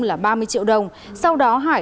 là ba mươi triệu đồng sau đó hải